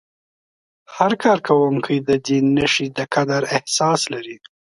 هر کارکوونکی د دې نښې د قدر احساس لري.